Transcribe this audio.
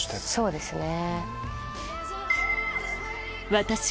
そうですね。